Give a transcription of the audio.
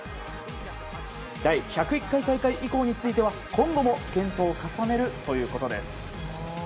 第１０１回大会以降については今後も検討を重ねるということです。